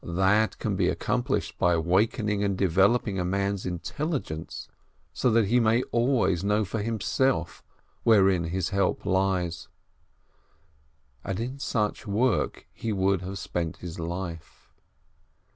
That can be accomplished by wakening and developing a man's intelligence, so that he may always know for himself wherein his help lies. And in such work he would have spent his life.